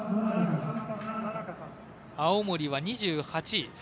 青森は２８位。